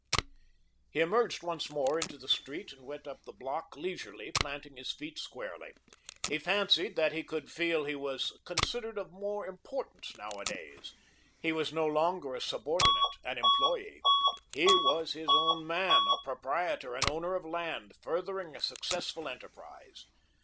He emerged once more into the street and went up the block leisurely, planting his feet squarely. He fancied that he could feel he was considered of more importance nowadays. He was no longer a subordinate, an employee. He was his own man, a proprietor, an owner of land, furthering a successful enterprise.